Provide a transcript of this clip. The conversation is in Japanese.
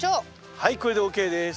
はいこれでＯＫです。